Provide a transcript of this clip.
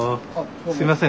すいません